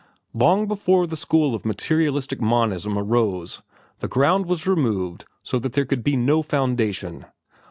Long before the school of materialistic monism arose, the ground was removed so that there could be no foundation.